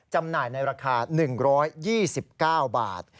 จำหน่ายในราคา๑๒๙บาท